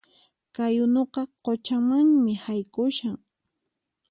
Kay unuqa quchamanmi haykushan